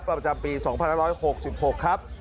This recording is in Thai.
ประจำปี๒๑๖๖ครับ